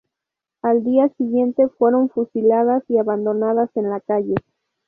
Al día siguiente fueron fusiladas y abandonadas en la calle.